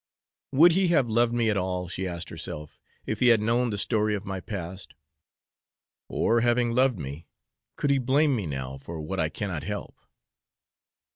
"Would he have loved me at all," she asked herself, "if he had known the story of my past? Or, having loved me, could he blame me now for what I cannot help?"